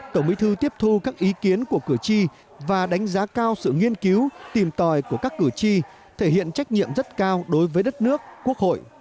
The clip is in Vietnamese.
tổng bí thư tiếp thu các ý kiến của cử tri và đánh giá cao sự nghiên cứu tìm tòi của các cử tri thể hiện trách nhiệm rất cao đối với đất nước quốc hội